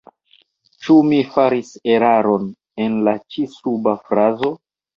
Ĉu mi faris eraron en la ĉi suba frazo?